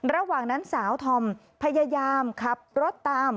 ระหว่างนั้นสาวธอมพยายามขับรถตาม